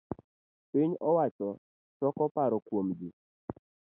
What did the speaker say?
piny owacho choko paro kuom ji